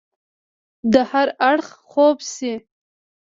د هر اړخ خوب شي